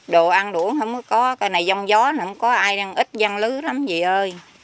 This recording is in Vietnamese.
đồ ăn đũa không có cái này giông gió không có ai ít văn lứ lắm gì ơi